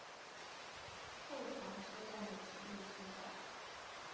厚床车站的铁路车站。